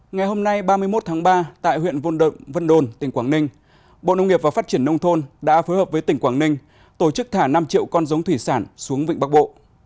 ngày hôm nay ba mươi một tháng ba tại huyện vôn động vân đồn tỉnh quảng ninh bộ nông nghiệp và phát triển nông thôn đã phối hợp với tỉnh quảng ninh tổ chức thả năm triệu con giống thủy sản xuống vịnh bắc bộ